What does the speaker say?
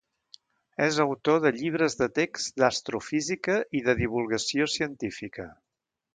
És autor de llibres de text d'astrofísica i de divulgació científica.